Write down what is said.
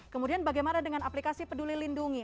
kemudian bagaimana dengan aplikasi peduli lindungi